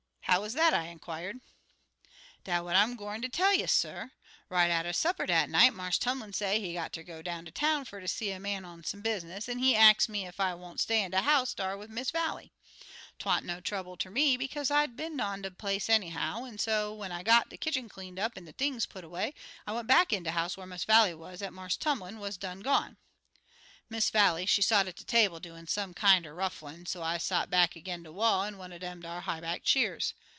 "How was that?" I inquired. "Dat what I'm gwine ter tell you, suh. Right atter supper dat night, Marse Tumlin say he got ter go down town fer ter see a man on some business, an' he ax me ef I won't stay in de house dar wid Miss Vallie. 'Twa'n't no trouble ter me, bekaze I'd 'a' been on de place anyhow, an' so when I got de kitchen cleaned up an' de things put away, I went back in de house whar Miss Vallie wuz at Marse Tumlin wuz done gone. "Miss Vallie, she sot at de table doin' some kind er rufflin', an' I sot back ag'in de wall in one er dem ar high back cheers.